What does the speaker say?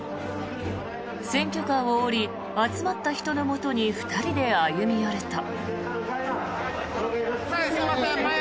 選挙カーを降り集まった人のもとに２人で歩み寄ると。